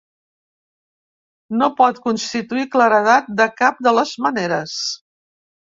No pot constituir claredat de cap de les maneres.